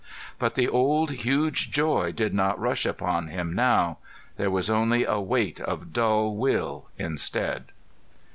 But the old huge joy did not rush upon him now. There was only a weight of dull will instead.